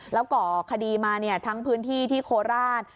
แล้วก่อคดีมาทั้งพื้นที่ที่โคราช